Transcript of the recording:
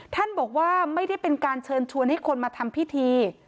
ท่านบอกว่าไม่ได้เป็นการเชิญชวนให้คนมาทำพิธี